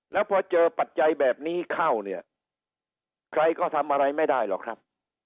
แล้วพอเจอปัจจัยแบบนี้เข้าเนี่ยใครก็ทำอะไรไม่ได้หรอกครับ